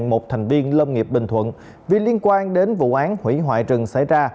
một thành viên lâm nghiệp bình thuận vì liên quan đến vụ án hủy hoại rừng xảy ra